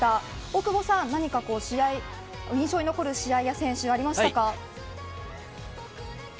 大久保さん、何か印象に残る試合や選手ありましたか。